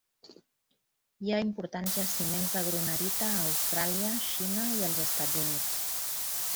Hi ha importants jaciments de grunerita a Austràlia, Xina i els Estats Units.